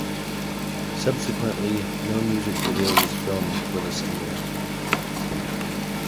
Subsequently, no music video was filmed for the single.